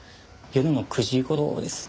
夜の９時頃です。